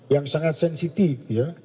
yang sangat sensitif ya